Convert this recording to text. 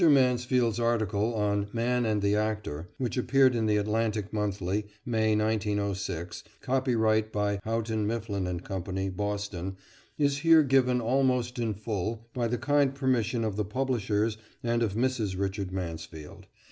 Mansfield's article on "Man and the Actor," which appeared in the Atlantic Monthly, May, 1906, copyright by Houghton, Mifflin & Co., Boston, is here given almost in full by the kind permission of the publishers and of Mrs. Richard Mansfield.